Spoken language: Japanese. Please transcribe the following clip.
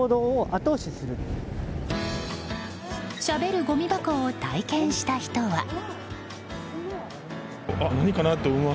しゃべるごみ箱を体験した人は。